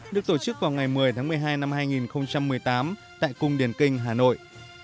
được tổ chức vào ngày một mươi tháng một mươi hai năm hai nghìn một mươi tám tại cung điển kinh hà nội